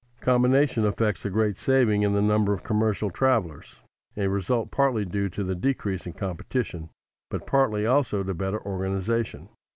Combination effects a great saving in the number of commercial travelers, a result partly due to the decrease in competition, but partly also to better organization.